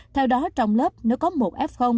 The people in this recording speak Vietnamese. theo đó trong lớp nếu có một f